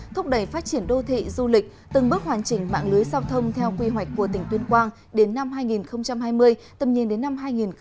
thúc đẩy phát triển đô thị du lịch từng bước hoàn chỉnh mạng lưới giao thông theo quy hoạch của tỉnh tuyên quang đến năm hai nghìn hai mươi tầm nhìn đến năm hai nghìn ba mươi